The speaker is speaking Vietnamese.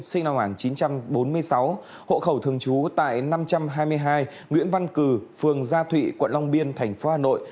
sinh năm một nghìn chín trăm bốn mươi sáu hộ khẩu thường trú tại năm trăm hai mươi hai nguyễn văn cử phường gia thụy quận long biên thành phố hà nội